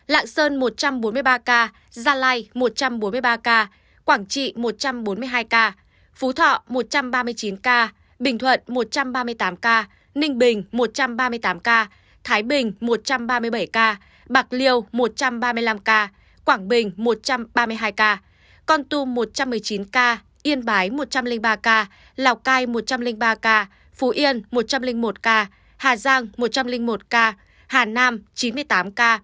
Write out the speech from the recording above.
lạng sơn một trăm bốn mươi ba ca gia lai một trăm bốn mươi ba ca quảng trị một trăm bốn mươi hai ca phú thọ một trăm ba mươi chín ca bình thuận một trăm ba mươi tám ca ninh bình một trăm ba mươi tám ca thái bình một trăm ba mươi bảy ca bạc liêu một trăm ba mươi năm ca quảng bình một trăm ba mươi hai ca con tu một trăm một mươi chín ca yên bái một trăm linh ba ca lào cai một trăm linh ba ca phú yên một trăm linh một ca hà giang một trăm linh một ca hà nam chín mươi tám ca